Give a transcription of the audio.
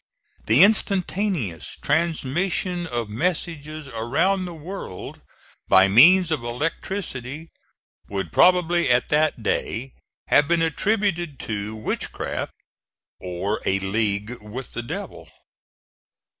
The instantaneous transmission of messages around the world by means of electricity would probably at that day have been attributed to witchcraft or a league with the Devil.